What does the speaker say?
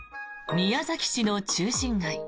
宮崎市の中心街。